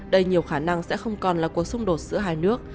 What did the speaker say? đây nhiều khả năng sẽ không còn là cuộc xung đột giữa hai nước